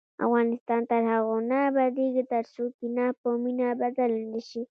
افغانستان تر هغو نه ابادیږي، ترڅو کینه په مینه بدله نشي.